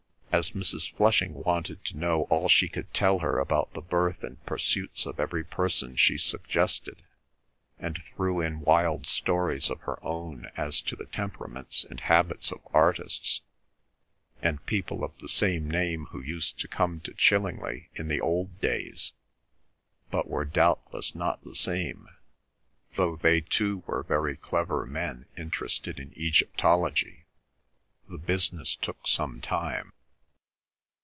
As Mrs. Flushing wanted to know all she could tell her about the birth and pursuits of every person she suggested, and threw in wild stories of her own as to the temperaments and habits of artists, and people of the same name who used to come to Chillingley in the old days, but were doubtless not the same, though they too were very clever men interested in Egyptology, the business took some time.